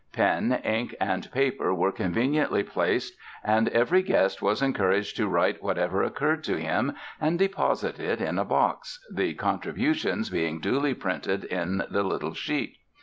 Pen, ink and paper were conveniently placed and every guest was encouraged to write whatever occurred to him and deposit it in a box, the contributions being duly printed in the little sheet.